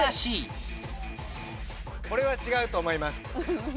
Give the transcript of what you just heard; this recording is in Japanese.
これは違うと思います。